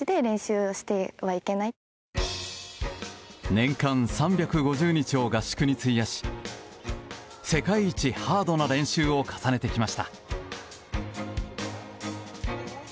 年間３５０日を合宿に費やし世界一ハードな練習を重ねてきました。